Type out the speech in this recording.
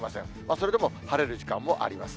それでも晴れる時間もあります。